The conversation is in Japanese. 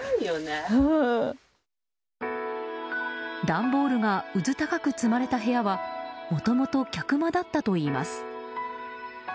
段ボールがうずたかく積まれた部屋はもともと客間だったといいます。